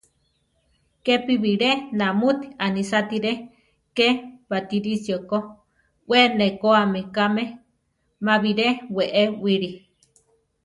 Kepi bilé namúti anisátiri ké Batirisio ko; we nekóami kame; má biré wée wili.